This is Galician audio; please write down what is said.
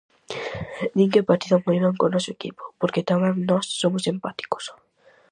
Din que empatizan moi ben co noso equipo, porque tamén nós somos empáticos.